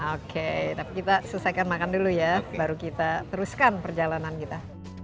oke tapi kita selesaikan makan dulu ya baru kita teruskan perjalanan kita